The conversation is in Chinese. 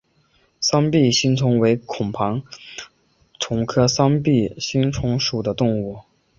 三臂星虫为孔盘虫科三臂星虫属的动物。